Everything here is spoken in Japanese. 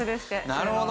なるほど！